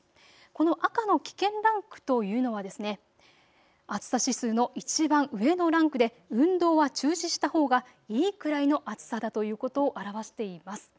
この赤の危険ランクというのは暑さ指数のいちばん上のランクで運動は中止したほうがいいくらいの暑さだということを表しています。